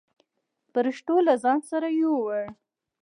پرښتو له ځان سره يووړ.